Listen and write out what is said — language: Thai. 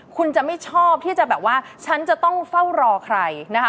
คุณจะไม่ชอบที่จะแบบว่าฉันจะต้องเฝ้ารอใครนะคะ